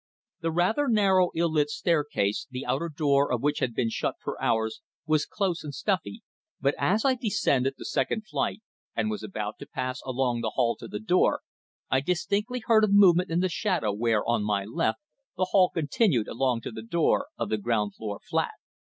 The rather narrow, ill lit staircase, the outer door of which had been shut for hours, was close and stuffy, but as I descended the second flight and was about to pass along the hall to the door, I distinctly heard a movement in the shadow where, on my left, the hall continued along to the door of the ground floor flat.